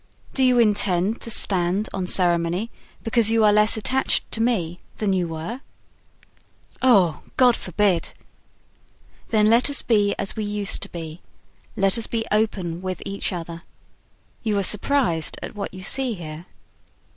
Do you intend to stand on ceremony because you are less attached to me than you were?" "Oh! God forbid!" "Then let us be as we used to be; let us be open with each other. You are surprised at what you see here?"